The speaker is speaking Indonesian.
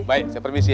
baik saya permisi ya